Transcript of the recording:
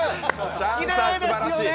きれいですよね。